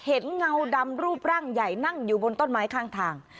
เงาดำรูปร่างใหญ่นั่งอยู่บนต้นไม้ข้างทาง